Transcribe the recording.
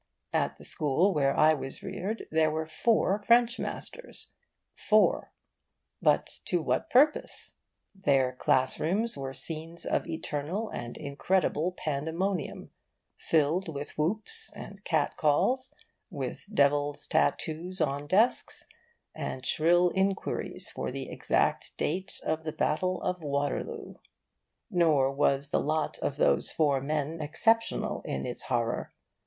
At the school where I was reared there were four French masters; four; but to what purpose? Their class rooms were scenes of eternal and incredible pandemonium, filled with whoops and catcalls, with devil's tattoos on desks, and shrill inquiries for the exact date of the battle of Waterloo. Nor was the lot of those four men exceptional in its horror.